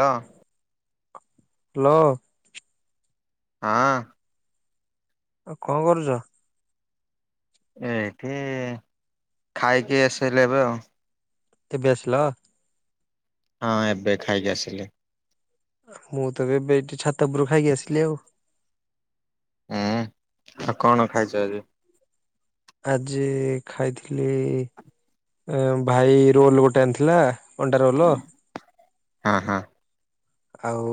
ହଁ। ହ୍ୟାଲୋ ହଁ ଆଉ କଣ କରୁଚ଼ ଏଇଠି ଖାଇକି ଏସ ଲେବେ ଆଉ ଏବେ ଆସିଲ ହଁ ଏବେ ଖାଇକି ଆସିଲି। ମୁଁ ତ ଏବେ ଏଠି ଛାତ ଉପୁରୁ ଖାଇକି ଆସିଲି ଆଉ ହୁଁ ଆଉ କଣ ଖାଇଛ ଆଜି ଆଜି ଖାଇଥିଲି ଭାଇ ରୋଲ ଗୋଟେ ଆଣିଥିଲା ଅଣ୍ଡା ରୋଲ ହଁ ହଁ। ଆଉ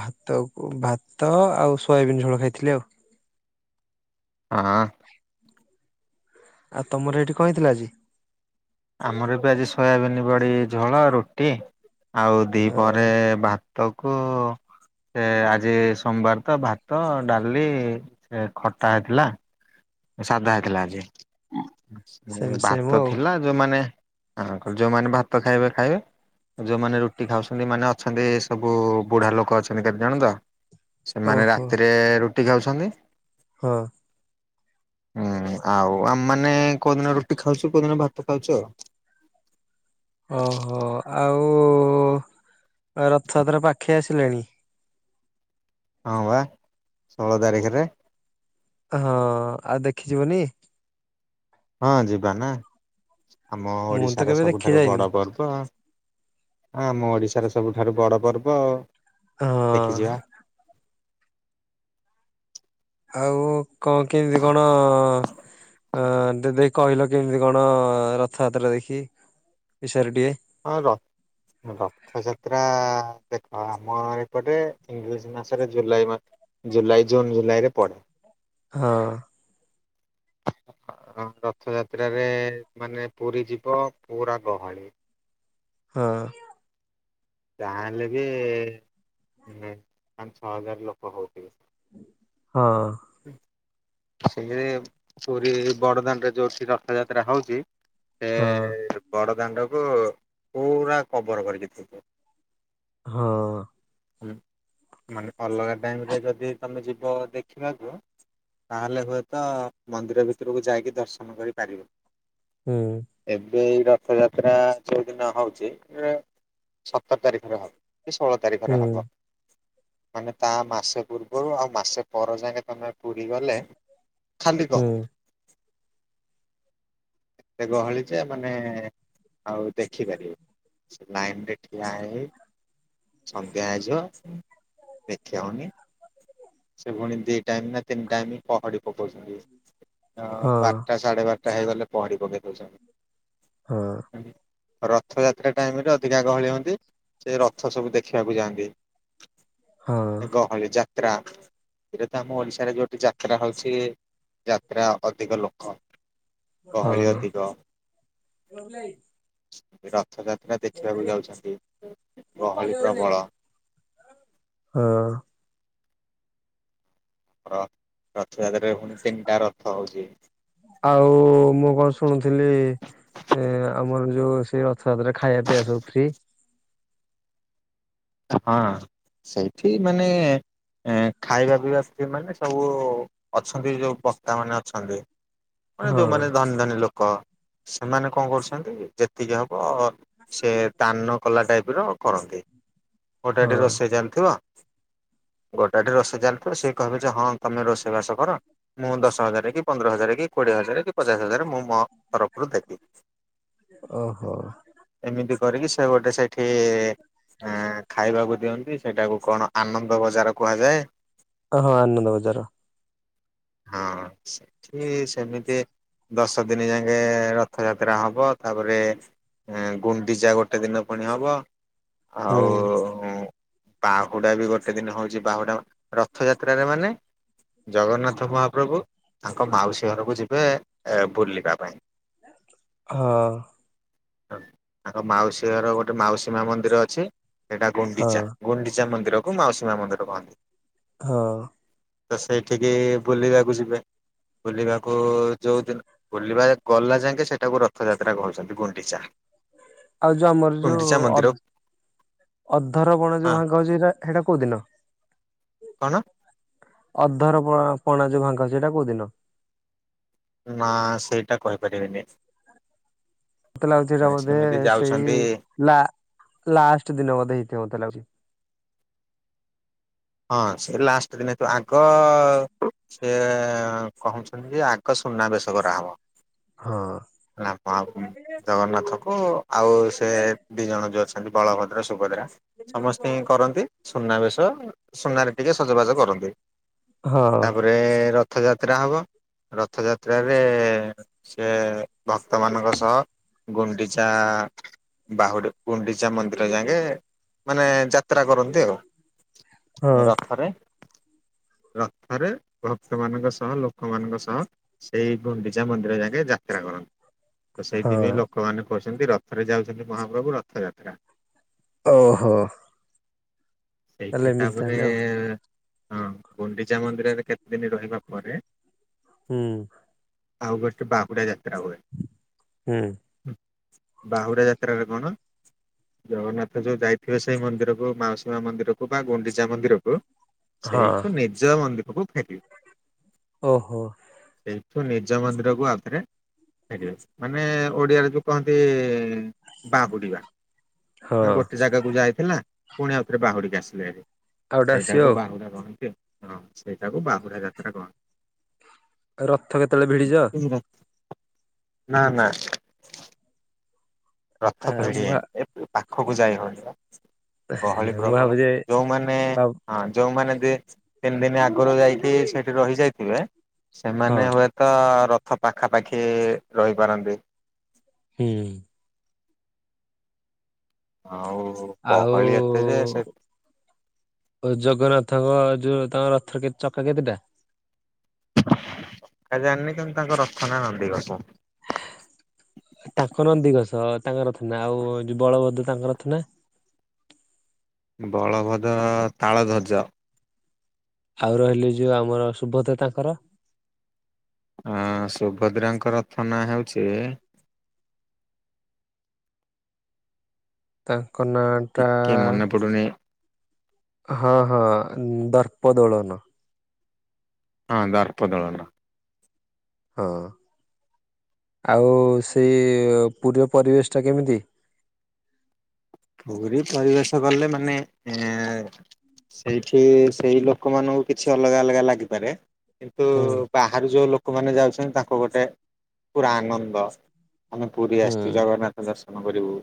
ଭାତ ଭାତ ଆଉ ସୋୟାବିନ୍ ଝୋଳ ଖାଇଥିଲି ଆଉ ହାଁ ଆଉ ତମର ଏଠିକଆଁ କହିଥିଲା ଆଜି ଆମର ଏବେ ଆଜି ସୋୟାବିନ ବଡି ଝୋଳ ରୁଟି ଆଉ ଦି ପରେ ଭାତ ଟକୁ ସେ ଆଜି ସୋମବାର ତ ଭାତ ଡାଲି ଖଟା ହେଇଥିଲା। ସାଧା ହେଇଥିଲା ସେମ ଆଜି ସେମ ଭାତ ଆଉ ଥିଲା ଯୋଉମାନେ-ଯୋଉମାନେ ଭାତ ଖାଇବେ-ଖାଇବେ ଯୋଉମାନେ ରୁଟି ଖାଉଛନ୍ତି ମାନେ ଅଛନ୍ତି ସବୁ ବୁଢା ଲୋକ ଅଛନ୍ତି କେତେଜଣ ତ ସେମାନେ ଓହୋ ରାତିରେ ରୁଟି ଖାଉଛନ୍ତି। ହଁ। ହୁଁ ଆଉ ଆମମାନେ କୋଉଦିନ ରୁଟି ଖାଉଛୁ କୋଉଦିନ ଭାତ ଖାଉଛୁ ଆଉ। ଓହୋ ଆଉ ରଥଯାତ୍ରା ପାଖେଇ ଆସିଲାଣି। ହଁ ବା ଷୋଳ ତାରିଖେରେ। ହଁ ଆଉ ଦେଖିଯିବୁନି? ହଁ ଯିବା ନା ଆମ ମୁଁ ତ ଓଡିଶାର କେବେ ଦେଖି ସବୁଠାରୁ ଯାଇନି ବଡ ପର୍ବ। ଆମ ଓଡିଶାର ସବୁଠାରୁ ବଡ ପର୍ବ ଆଉ ହଁ ଦେଖିଯିବା। ଆଉ କଣ କେମିତି କଣ ଅ ଦିଦି କହିଲ କେମିତି କଣ ରଥଯାତ୍ରା ଦେଖି ବିଷୟରେ ଟିକେ ହଁ ର-ର ରଥଯାତ୍ରା ଦେଖ ଆମ ଏପଟେ ଇଂରେଜ ମାସରେ ଜୁଲାଇ ମା ଜୁଲାଇ ଜୁନ୍ ଜୁଲାଇ ରେ ପଡେ। ହଁ। [inaudible] ରଥଯାତ୍ରାରେ ମାନେ ପୁରୀ ଯିବ ପୁରା ଗହଳି। ହଁ। ଯାହା ହେଲେ ବି ପାଞ୍ଚ ଛଅ ହଜାର ଲୋକ ହଉଥିବେ। ହଁ। [unintelligible] ପୁରୀ ବଡଦାଣ୍ଡରେ ଯୋଉଠି ରଥଯାତ୍ରା ହଉଚି ସେ ହଁ ବଡଦାଣ୍ଡ କୁ ପୁରା କଭର୍ କରିକି ଥିବେ। ହଁ। ମାନେ ଅଲଗା ଟାଇମିରେ ଯଦି ତମେ ଯିବ ଦେଖିବାକୁ ତାହେଲେ ହୁଏତ ମନ୍ଦିର ଭିତରକୁ ଯାଇକି ଦର୍ଶନ କରିପାରିବ। ହୁଁ। ଏବେ ଏଇ ରଥଯାତ୍ରା ଯୋଉଦିନ ହଉଚି ସତର ତାରିଖରେ ହବ କି ଷୋଳ ହୁଁ ତାରିଖରେ ହବ। ମାନେ ତା ମାସେ ପୂର୍ବରୁ ଆଉ ମାସେ ପର ଯାକେ ତମେ ପୁରୀ ଗଲେ ଖାଲି ହୁଁ ଗହଳି ଏତେ ଗହଳି ଯେ ମାନେ ଆଉ ଦେଖିପାରିବେନି ସେ ଲାଇନ୍ ରେ ଠିଆ ହେଇ-ହେଇ ସନ୍ଧ୍ୟା ହେଇଯିଵ ଦେଖିହେଉନି ସେ ପୁଣି ଦି କାହିଁକି ନା ତିନି ଟାଇମି ପହଡି ପକଉଚନ୍ତି ହଁ ବାରଟା ସାଢେ ବାରଟା ହେଇଗଲେ ପହଡି ପକେଇ ଦେଉଚନ୍ତି। ହଁ। ରଥଯାତ୍ରା ଟାଇମ୍ ରେ ଅଧିକା ଗହଳି ହୁଅନ୍ତି, ସେ ରଥ ସବୁ ଦେଖିବାକୁ ଯାଆନ୍ତି ହଁ ଏ ଗ ହଳି ଯାତ୍ରା। ଏଇଟା ତ ଆମ ଓଡିଶାରେ ଯୋଉଠି ଯାତ୍ରା ହଉଛି ଯାତ୍ରା ଅଧିକ ଲୋକ। ଗହଳି ହଁ ଅଧିକ ରଥଯାତ୍ରା ଦେ ଖୀବାକୁ ଯାଉଛନ୍ତି ଗହଳି ପ୍ରବଳ। ହଁ। ର ରଥଯାତ୍ରାରେ ଫୁଣି ତିନିଟା ରଥ ହଉଛି। ଆଉ ମୁଁ କଣ ଶୁଣୁଥିଲି ଏ ଆମର ଯୋଉ ସେଇ ରଥଯାତ୍ରରେ ଖାଇବା ପିଇବା ସବୁ ଫ୍ରି। ହଁ ସେଇଠି ମାନେ ଏ ଖାଇବା ପିଇବା ଫ୍ରି ମାନେ ସବୁ ଅଛନ୍ତି ଯୋଉ ବକ୍ତା ମାନେ ଅଛନ୍ତି ମାନେ ହଁ ଯୋଉମାନେ ଧନୀ-ଧନୀ ଲୋକ ସେମାନେ କଣ କରୁଛନ୍ତି ଯେତିକି ହବ ସେ ତାନ କଲା ଟାଇପ୍ ର କରନ୍ତି, ଗୋଟେ ପଟେ ହଁ ରୋଷେଇ ଚାଲିଥିଵ ଗୋଟା ଟେ ରୋଷେଇ ଚାଲିଥିବ, ସେ କହିବେ ଯେ ହଁ ତମେ ରୋଷେଇବାସ କର। ମୁଁ ଦଶ ହଜାର କି, ପନ୍ଦର ହଜାର, କି କୋଡିଏ ହଜାର, କି ପଚାଶ ହଜାର, ମୁଁ ମୋ ତରଫରୁ ଦେବି। ଓହୋ। ଏମିତି କରିକି ସେ ଗୋଟେ ସେଇଠି ଖାଇବାକୁ ଦିଅନ୍ତି। ସେଇଟାକୁ କଣ ଆନନ୍ଦଵଜାର କୁହାଯାଏ। ଓ ହଁ ଆନନ୍ଦ ବଜାର। ହଁ ସେଠି ସେମିତି ଦଶ ଦିନ ଯାଙ୍ଗେ ରଥଯାତ୍ରା ହବ ତାପରେ ଗୁଣ୍ଡିଚା ଗୋଟେ ଦିନ ପୁଣି ହବ ହୁଁ। ହୁଁ ବାହୁଡା ବି ଗୋଟେ ଦିନ ହଉଛି। ବାହୁଡା ରଥଯାତ୍ରାରେ ମାନେ ଜଗନ୍ନାଥ ମହାପ୍ରଭୁ ତାଙ୍କ ମାଉସୀ ଘରକୁ ଯିବେ ବୁଲିବା ପାଇଁ। ହଁ। ତାଙ୍କ ମାଉସୀଘର ଗୋଟେ ମାଉସୀ ମା ମନ୍ଦିର ଅଛି। ହେଟା ହଁ ଗୁଣ୍ଡିଚା ଗୁଣ୍ଡିଚା ମନ୍ଦୀରକୁ ମାଉସୀମା ମନ୍ଦିର କହନ୍ତି। ହଁ। ତ ସେଇଠିକି ବୁଲିବାକୁ ଯିବେ। ବୁଲିବାକୁ ଯୋଉଦିନ ବୁଲିବା ଗଲା ଯାକେ ସେଇଟାକୁ ରଥଯାତ୍ରା କହୁଛନ୍ତି ଗୁଣ୍ଡିଚା। ଆଉ ଯୋଉ ଆମର ଗୁଣ୍ଡିଚା ଯୋଉ ମନ୍ଦିର ଅ ଅଧର ବଣ ଯୋଉ ହଁ ଭାଙ୍ଗ ହଉଛି ସେଟା କୋଉଦିନ? କଣ ଅଧର ପ-ପଣା ଯୋଉ ଭାଙ୍ଗ ସେଇଟା କୋଉ ଦିନ? ନା ସେଇଟା କହିପାରିବିନି। ମତେ ଲାଗୁଛି ଏଟା ବୋଧେ ସେମିତି ସେଇ ଯାଉଛନ୍ତି ଲା-ଲାଷ୍ଟ ଦିନ ବୋଧେ ହେଇଥିବ ମତେ ଲାଗୁଛି। ହଁ ସେ ଲାଷ୍ଟ ଦିନ ତୁ ଆଗ ସେଏ କ ଆଗ ସୁନାବେେଶ କରାହବ। ହଁ ଓ ହଁ ହୁଁ, ଜଗନ୍ନାଥକୁ ଆଉ ସେ ଦୁଇ ଜଣ ଯେଉଁ ଅଛନ୍ତି ବଳଭଦ୍ର ସୁଭଦ୍ରା ସମସ୍ତେ ହି କରନ୍ତି ସୁନାବେଶ। ସୁନାରେ ଟିକେ ସଜବାଜ କରନ୍ତି। ହଁ। ରେ ରଥଯାତ୍ରା ହବ, ରଥଯାତ୍ରାରେ ସେ ଭକ୍ତମାନଙ୍କ ସହ ଗୁଣ୍ଡିଚା ବାହୁଡ଼ା ଗୁଣ୍ଡିଚା ମନ୍ଦିର ଯାକେ ମାନେ ଯାତ୍ରା କରନ୍ତି ଆଉ। ହଁ ରଥରେ, ରଥରେ, ଭକ୍ତ ମାନଙ୍କ ସହ ଲୋକମାନଙ୍କ ସହ ସେଇ ଗୁଣ୍ଡିଚା ମନ୍ଦିର ଯାକେ ଯାତ୍ରା କରନ୍ତି। ତ ହଁ ସେଇଥିପାଇଁ ଲୋକମାନେ କହୁଛନ୍ତି। ରଥରେ ଯାଉଛନ୍ତି ମହାପ୍ରଭୁ ରଥଯାତ୍ରା। ଓ ହୋ। ତା ପରେ ତାହେଲେ ଆଉ ହଁ ଗୁଣ୍ଡିଚା ମନ୍ଦିରରେ କେତେଦିନ ରହିବା ପରେ ହୁଁ। ଆଉ ଗୋଟେ ବାକୁଡ଼ା ଯାତ୍ର ହୁଏ। ହୁଁ। ବାହୁଡ଼ା ଯାତ୍ରାରେ କଣ? ଜଗନ୍ନାଥ ଯୋଉ ଯାଇଥିବେ ସେଇ ମନ୍ଦିରକୁ, ମାଉସୀ ମା ମନ୍ଦିରକୁ ବା ଗୁଣ୍ଡିଚା ମନ୍ଦିରକୁ, ହଁ ସେଇଠୁ ନିଜ ମନ୍ଦିରକୁ ଫେରିବେ। ଓ ହୋ। ସେଇଠୁ ନିଜ ମନ୍ଦିରକୁ ଆଉ ଥରେ ଫେରିବେ, ମାନେ ଓଡ଼ିଆରେ ଯେଉଁ କହନ୍ତି ବାହୁଡ଼ିବା। ଆ ହଁ। ଗୋଟେ ଜାଗାକୁ ଯାଇଥିଲା, ପୁଣି ଆଉ ଥରେ ବାହୁଡିକି ଆସିବେ ହାରି। ଆଉ ଗୋଟେ ଆସିବ ସେଇଟାକୁ ବାହୁଡା କହନ୍ତି। ଆ ହଁ ସେଇଟାକୁ ବାହୁଡା ଯାତ୍ରା କହନ୍ତି। ଆଉ ରଥ କେତେବେଳେ ଭିଡିଛ? ନା ନା। ଆ ରଥ ପିଢି ମୁଁ ଭା ଏ ପାଖକୁ ଯାଇ ହଉନି। ଗହଳି ମୁଁ ପ୍ରବଳ ଭାବୁଛି ଯୋଉମାନେ। ଭାବ ହଁ ଯୋଉମାନେ ଦି ତିନି ଦିନ ଆଗରୁ ଯାଇକି ସେଇଠି ରହିଯାଇଥିବେ ହଁ ସେମାନେ ହୁଏ ତ ରଥ ପାଖାପାଖି ରହିପାରନ୍ତି। ହୁଁ। ଆଉ। ଆଉ। ଗହଳି ଏତେ ଯେ ସେ ଓ ଜଗନ୍ନାଥଙ୍କ ଯୋଉ ତାଙ୍କ ରଥର ଚକା କେତେଟା। ଆଉ ଜାଣିନି କିନ୍ତୁ ତାଙ୍କ ରଥ ନା ନନ୍ଦୀଘୋଷା। ତାଙ୍କ ନନ୍ଦିଘୋଷ ତାଙ୍କ ରଥ ନା ଆଉ ଯୋଉ ବଳଭଦ୍ର ତାଙ୍କରଥ ନା। ବଳଭଦ୍ର ତାଳ ଦ୍ୟୋଜ। ଆଉ ରହିଲି ଯୋଉ ଆମର ସୁଭୋଦ୍ରା ତାଙ୍କର। ଅ ସୁଭଦ୍ରାଙ୍କ ରଥ ନା ହଉଛି। ତାଙ୍କ ନା। ଟିକେ ମନପଡୁନି। ହଁ ହଁ ଦର୍ପ ଦୋଳନ। ହଁ ଦର୍ପ ଦଳନ। ହଁ ଆଉ ସେଇ ପୁରୀର ପରିବେଶ ଟା କେମିତି? ପୁରୀ ପରିବେଶ କଲେ ମାନେ ସେଇଠି ସେଇ ଲୋକମାନଙ୍କୁ କିଛି ଅଲଗା ଅଲଗା ଲାଗିପାରେ କିନ୍ତୁ ହୁଁ ବାହାରୁ ଯୋଉ ଲୋକମାନେ ଯାଉଛନ୍ତି ତାଙ୍କ ଗୋଟେ ପୁରା ଆନନ୍ଦ ଆମେ ପୁରୀ ହୁଁ ଆସିଛୁ ଜଗନ୍ନାଥ ଦର୍ଶନ କରିବୁ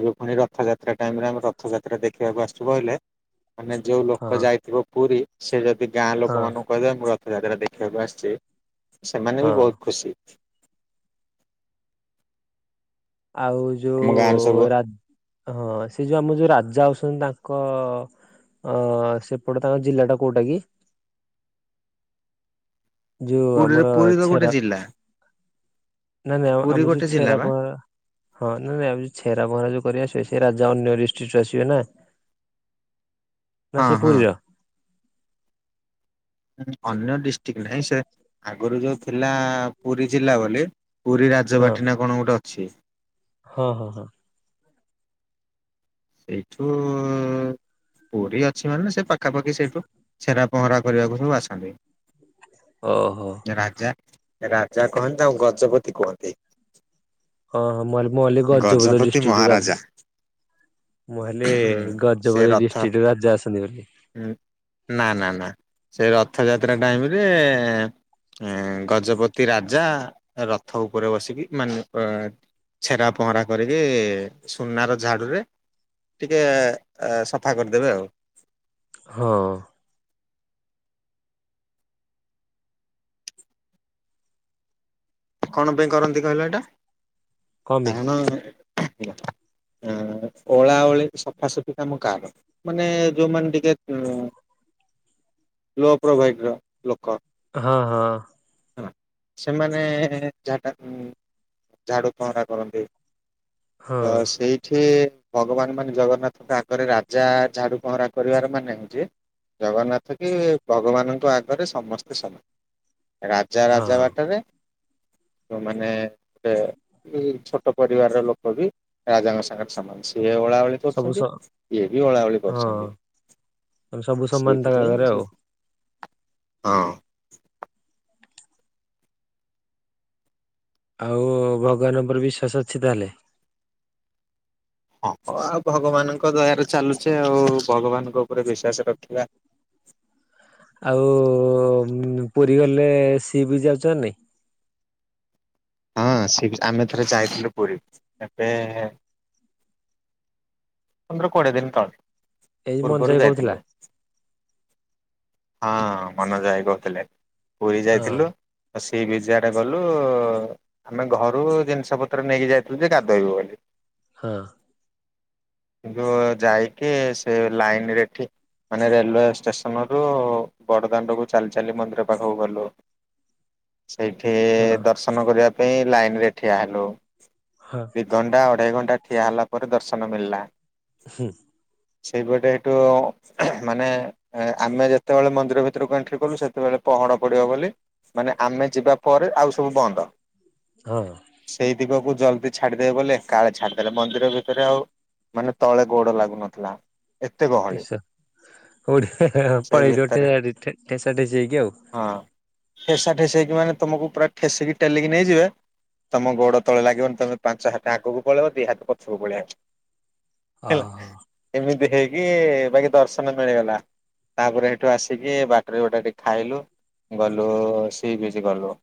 ଏବେ ପୁଣି ରଥଯାତ୍ରା ଟାଇମ ରେ ଆମେ ରଥଯାତ୍ରା ଦେଖିବାକୁ ଆସିଛୁ କହିଲେ ମାନେ ଯୋଉ ହଁ ଲୋକ ଯାଇଥିବ ପୁରୀ ସେ ଯଦି ଗାଁ ହଁ ଲୋକ ମାନଙ୍କୁ ମୁଁ ରଥଯାତ୍ରା ଦେଖିବାକୁ ଆସିଛି ସେମାନେ ବି ହଁ ବହୁତ ଖୁସି ଆଉ ଆମ ଗାଁରେ ସବୁ ଯୋଉ ରାଜ ହଁ ସେ ଯୋଉ ଆମ ଯୋଉ ରାଜା ଅଉଛନ୍ତି ତାଙ୍କ ଅ ସେପଟେ ତାଙ୍କ ଜିଲ୍ଲା ଟା କୋଉଟା କି ଯୋଉ ପୁରୀରେ ଆମର ପୁରୀ ତ ଗୋଟେ ଛେରା ଜିଲ୍ଲା ନାଇ ନାଇଁ ପୁରୀ ଆମର ଗୋଟେ ଯୋଉ ଜିଲ୍ଲା ଛେରା ବା ପହଁରା ହଁ ନା ନାଇ ଆଉ ଯଉ ଛେରା ମହରାା ଯୁ କରିବା ଆସିବେ ସେ ରାଜା ଅନ୍ୟ ଡିଷ୍ଟ୍ରିକ୍ଟୁ ଆସିବେ ନା [inaudible] ମା ହଁ ସେ ହଁ ପୁରୀର ଅନ୍ୟ ଡିଷ୍ଟ୍ରିକ୍ଟ ନାହିଁ ସେ ଆଗରୁ ଯୋଉ ଥିଲା ପୁରୀ ଜିଲ୍ଲା ବୋଲି। ପୁରୀ ହଁ ରାଜବାଟି ନା କଣ ଗୋଟେ ଅଛି ହଁ ହଁ ହଁ ଏଇଠୁ ପୁରୀ ଅଛି ମାନେ ସେ ପାଖାପାଖି ସେଇଠୁ ଛେରା ପହଁରା କରିବାକୁ ସବୁ ଆସନ୍ତି ଓହୋ ରାଜା ରାଜା କହନ୍ତି ଆଉ ଗଜପତି କୁହନ୍ତି ହଁ ହଁ ମ ମ କହିଲି ଗଜପତି ଡିଷ୍ଟ୍ରିକଟରୁ ମୁଁ ହେଲେ ସେ ଗଜପତି ରଥ ଡିଷ୍ଟ୍ରିକ୍ଟରୁ ରାଜା ଅସନ୍ତି ବୋଲି ନା ନା ନା ସେ ରଥଯାତ୍ରା ଟାଇମରେ ଏ ଗଜପତି ରାଜା ରଥ ଉପରେ ବସିକି ମାନେ ଅ ଛେରା ପହଁରା କରିକି ସୁନାର ଝାଡ଼ୁରେ ଟିକେ ସଫା କରିଦେବେ ଆଉ ହଁ କଣ ପାଇଁ କରନ୍ତି କହିଲ ଏଇଟା କଣ ପାଇଁ? କାରଣ ଆ ଅଳା ଓଳି ସଫାସଫି କମ କାର ମାନେ ଯୋଉମାନେ ଟିକେ ଲୋ ପ୍ରୋଭାଇଡ ର ଲୋକ ହଁ ହଁ ହଁ ସେମାନେ ଝା ଝାଡୁ ପହଁରା କରନ୍ତି ହଁ ତ ସେଇଠି ଭଗବାନ ମାନେ ଜଗନ୍ନାଥଙ୍କ ଆଗରେ ରାଜା ଝାଡୁ ପହଁରା କରିବାର ମାନେ ହଉଛି ଜଗନ୍ନାଥ କି ଭଗବାନଙ୍କ ଆଗରେ ସମସ୍ତେ ସମାନ ରାଜା ରାଜା ହଁ ବାଟରେ ତ ମାନେ ଗୋଟେ ଛୋଟ ପରିବାର ର ଲୋକ ବି ରାଜାଙ୍କ ସାଙ୍ଗରେ ସାମାନ ସିଏ ଓଳାବେଳି ସବୁ ସ କରୁଛନ୍ତି ଇଏ ବି ଅଳା ଓଳି କରୁଛନ୍ତି ହଁ ସବୁ ସମାନ ତାଙ୍କ ଆଗରେ ଆଉ। ସେଇଥିପାଇଁ ଆଉ ଭଗବାନ ଉପରେ ବିଶ୍ଵାସ ଅଛି ତାହେଲେ ହଁ ଆଉ ଭଗବାନଙ୍କ ଦୟାରେ ଚାଲୁଛେ ଆଉ ଭଗବାନଙ୍କ ଉପରେ ବିଶ୍ୱାସ ରଖିବା ଆଉ ପୁରୀ ଗଲେ ସିଏ ବି ଯାଉଛନ୍ତି ନା ନାଇଁ ହଁ ସେ ଆମେ ଥରେ ଯାଇଥିଲୁ ପୁରୀ ଏବେ ପନ୍ଦର କୋଡିଏ ଦିନ ତଳେ ଏଇ ମଞ୍ଜୁ ପୂର୍ବରୁ ଭାଇ କହୁଥିଲା। ଯାଇଥିଲୁ ହଁ ମନଜ ଭାଇ କହୁଥିଲେ ପୁରୀ ହଁ ଯାଇଥିଲୁ ଆଉ ସେଇ ବି ସିଆଡେ ଗଲୁ ଆମେ ଘରୁ ଜିନିଷପତ୍ର ନେଇକି ଯାଇଥିଲୁ ଯେ ଗାଧୋଇବୁ ବୋଲି ହଁ ଯଉ ଯାଇକି ସେ ଲାଇନ ରେଠି ମାନେ ରେଲୱେ ଷ୍ଟେସନ ରୁ ବଡ ଦାଣ୍ଡ କୁ ଚାଲି ଚାଲି ମନ୍ଦିର ପାଖକୁ ଗଲୁ। ସେଇଠି ହଁ ଦର୍ଶନ କରିବା ପାଇଁ ଲାଇନ ରେ ଠିଆ ହେଲୁ। ହଁ। ଦୁଇ ଘଣ୍ଟା ଅଢ଼େଇ ଘଣ୍ଟା ଠିଆ ହେଲା ପରେ ଦର୍ଶନ ମିଳିଲା। ହୁଁ। ସେଇପଟେ ଏଠୁ ମାନେ ଆମେ ଯେତେବେଳେ ମନ୍ଦିର ଭିତରକୁ ଏଣ୍ଟ୍ରି କଲୁ ସେତେବେଳେ ପଡିବ ବୋଲି ମାନେ ଆମେ ଯିବା ପରେ ଆଉ ସବୁ ବନ୍ଦ। ହଁ। ସେଇ ଦିଗକୁ ଜଲ୍ଦି ଛାଡିଦେବେ ବୋଲି କାଳେ ଛାଡିଦେଲେ ମନ୍ଦିର ଭିତରେ ଆଉ ମାନେ ତଳେ ଗୋଡ ଲାଗୁନଥିଲା। ଏତେ ଗହଳି ଏସ ହଉଠି ସେଇ ଭିତରେ ପଳେଇଦେସା ଠେ ହେଇକି ଆଉ ହଁ ଠେସା ଠେସେଇ ହେକି ମାନେ ତମକୁ ପୁରା ଠେସିକି ଟେଲିକି ନେଇ ତମ ଗୋଡ ତଳେ ଲାଗିବନି ତମେ ପାଞ୍ଚ ହାତଟ ଆଗକୁ ପଳେଇବ ଦି ହାତ ପଛକୁ ପଳେଇବ। ହେଲା ଓହୋ ଏମିତି ହେଇକି ବାକି ଦର୍ଶନ ମିଳିଗଲା। ତାପରେ ସେଇଠୁ ଆସିକି ବାଟରେ ଗୋଟା ଟିକେ ଖାଇଲୁ ଗଲୁ ସିଇକିଛି ଗଲୁ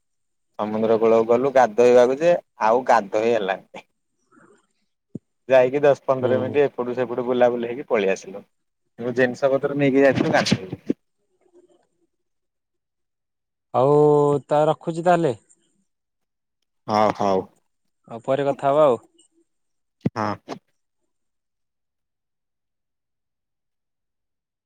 ସମୁଦ୍ର କୂଳକୁ ଗଲୁ ଗାଧୋଇବାକୁ ଯେ ଆଉ ଗାଧୋଇ ହେଲାନି। ଯାଇକି ଦଶ ପନ୍ଦର ହୁଁ। ମିନଟ। ସେଟୁ ସେପଟୁ ବୁଲାବୁଲି ହେକି ପଳେଇ ଆସିଲୁ ଜିନିଷ ପତ୍ର ନେଇକି ଯାଇଥିଲୁ ଆଉ ତା ରଖୁଛି ତାହେଲେ? ହଁ ହଉ। ଆଉ ପରେ କଥା ହବା ଆଉ ହଁ।